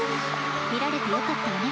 見られてよかったわね